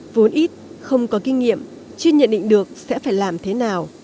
vốn ít không có kinh nghiệm chưa nhận định được sẽ phải làm thế nào